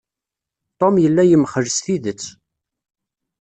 Tom yella yemxell s tidet.